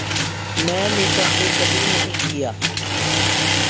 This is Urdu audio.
میں نے پہلے کبھی نہیں کیا